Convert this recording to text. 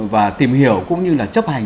và tìm hiểu cũng như là chấp hành